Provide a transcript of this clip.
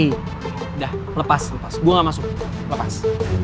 sudah lepas gue gak masuk lepas